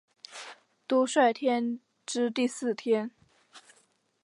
兜率天之第四天。